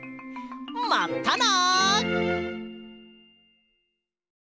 まったな！